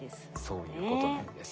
そういうことなんです。